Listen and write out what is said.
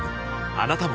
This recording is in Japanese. あなたも